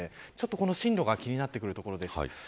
進路が気になってくるところです。